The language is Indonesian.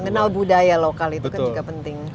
mengenal budaya lokal itu kan juga penting